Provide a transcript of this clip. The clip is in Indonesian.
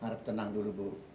harap tenang dulu bu